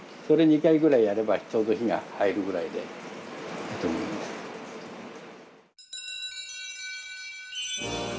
それ２回ぐらいやればちょうど火が入るぐらいでいいと思います。